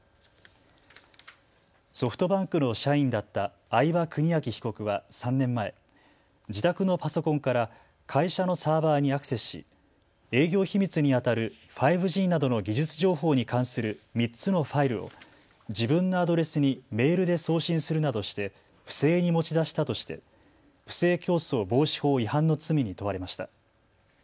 ソフトバンクの社員だった合場邦章被告は３年前、自宅のパソコンから会社のサーバーにアクセスし営業秘密にあたる５Ｇなどの技術情報に関する３つのファイルを自分のアドレスにメールで送信するなどして不正に持ち出したとして不正競争防止法違反の罪に問われました。